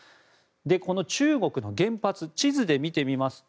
この中国の原発地図で見てみますと